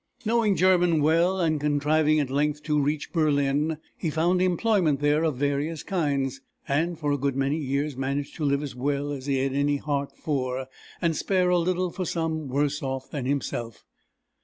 Knowing German well, and contriving at length to reach Berlin, he found employment there of various kinds, and for a good many years managed to live as well as he had any heart for, and spare a little for some worse off than himself.